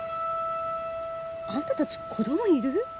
あんたたち子供いる？